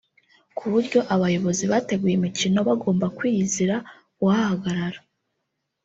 kuburyo abayobozi bateguye imikino bagomba kwiyizira kuhahagarara